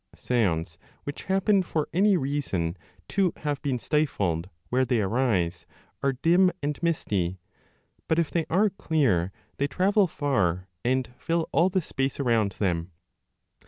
Sounds which happen for any reason to have been stifled where they arise, are dim and misty ; but, if they are clear, they travel far and fill all 15 the space around them.